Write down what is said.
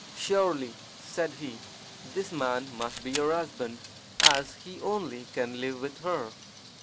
"Surely," said he, "this man must be her husband, as he only can live with her."